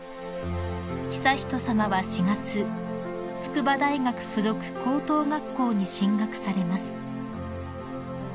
［悠仁さまは４月筑波大学附属高等学校に進学されます］